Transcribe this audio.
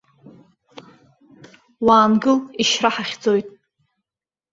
Уаангыл, ишьра ҳахьӡоит.